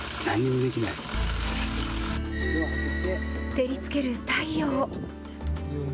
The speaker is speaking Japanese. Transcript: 照りつける太陽。